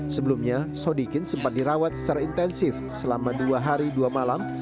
sebelumnya sodikin sempat dirawat secara intensif selama dua hari dua malam